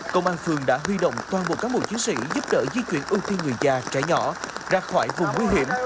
công an phường đã huy động toàn bộ cán bộ chiến sĩ giúp đỡ di chuyển ưu tiên người già trẻ nhỏ ra khỏi vùng nguy hiểm